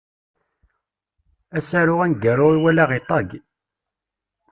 Asaru aneggaru i walaɣ iṭag.